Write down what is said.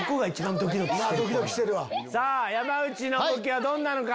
さぁ山内の武器はどんなのか？